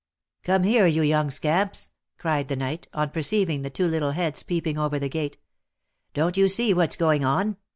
" Come here, you young scamps !" cried the knight, on perceiving the two little heads peeping over the gate :" Don't you see what's going on